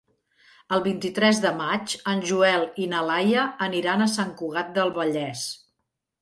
El vint-i-tres de maig en Joel i na Laia aniran a Sant Cugat del Vallès.